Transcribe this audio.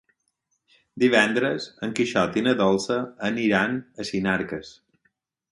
Divendres en Quixot i na Dolça aniran a Sinarques.